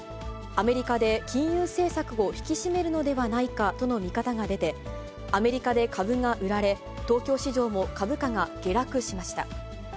アメリカで金融政策を引き締めるのではないかとの見方が出て、アメリカで株がうられ、東京市場も株価が下落しました。